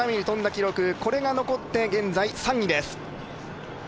記録、これが残って現在３位です。